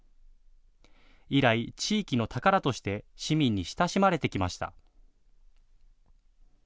以来、地域の宝として市民に親しまれてきました。